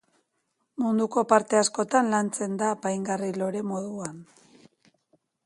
Munduko parte askotan lantzen da apaingarri-lore moduan.